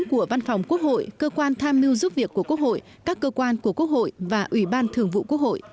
của văn phòng quốc hội cơ quan tham mưu giúp việc của quốc hội các cơ quan của quốc hội và ủy ban thường vụ quốc hội